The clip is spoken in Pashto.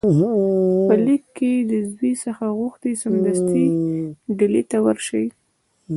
په لیک کې له زوی څخه غوښتي سمدستي ډهلي ته ورشي.